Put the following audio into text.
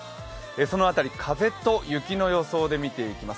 その辺り風と雪の予想で見ていきます。